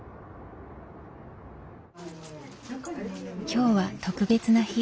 今日は特別な日。